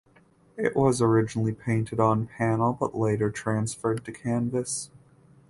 It was originally painted on panel but later transferred to canvas.